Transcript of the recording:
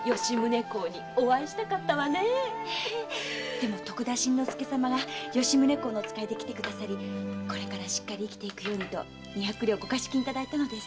でも徳田新之助様が吉宗公のお使いで来てくださり「これからしっかり生きていくように」と二百両御下賜金いただいたのです。